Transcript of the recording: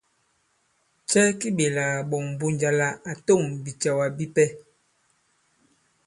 Cɛ ki ɓèlà kàɓɔ̀ŋ Mbunja la à tôŋ bìcɛ̀wa bipɛ?